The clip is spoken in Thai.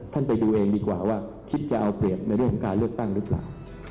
ไปดูเองดีกว่าว่าคิดจะเอาเปรียบในเรื่องของการเลือกตั้งหรือเปล่า